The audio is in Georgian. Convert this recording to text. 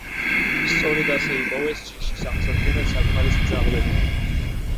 სწორედ ასე იპოვეს ჯიშის აღსადგენად საკმარისი ძაღლები.